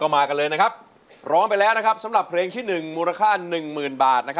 เพลงที่หนึ่งนะครับมูลค่าหนึ่งหมื่นบาท